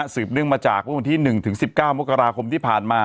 สืบเนื่องมาจากวันที่๑๑๙มกราคมที่ผ่านมา